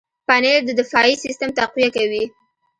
پنېر د دفاعي سیستم تقویه کوي.